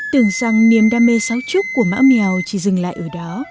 tưởng rằng niềm đam mê xáo trúc của mã mèo chỉ dừng lại ở đó